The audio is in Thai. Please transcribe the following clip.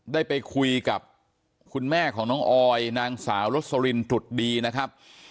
ได้ไปคุยกับคุณแม่ของน้องออยนางสาวลสลินตรุษดีนะครับ